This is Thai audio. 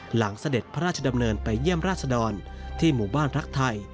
เสด็จพระราชดำเนินไปเยี่ยมราชดรที่หมู่บ้านรักไทย